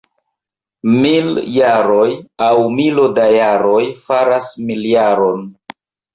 Mil jaroj, aŭ milo da jaroj, faras miljaron.